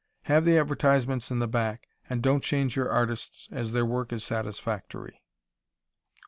Have the advertisements in the back, and don't change your artists as their work is satisfactory.